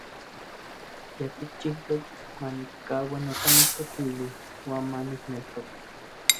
Yitikchijtok manikkaua notlaneltokilis uan manikneltoka.